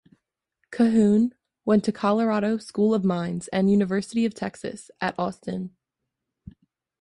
Cahoon went to Colorado School of Mines and University of Texas at Austin.